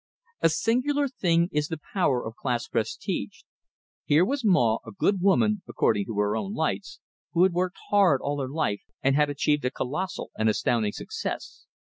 A singular thing is the power of class prestige! Here was Maw, a good woman, according to her lights, who had worked hard all her life, and had achieved a colossal and astounding success.